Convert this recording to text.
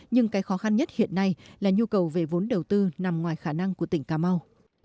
nhưng cái khó khăn nhất hiện nay là nhu cầu về vốn đầu tư nằm ngoài khả năng của tỉnh cà mau